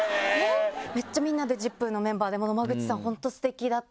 めっちゃみんなで『ＺＩＰ！』のメンバーで「野間口さん本当すてきだったね」